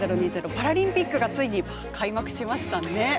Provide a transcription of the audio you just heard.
パラリンピックがついに開幕しましたね。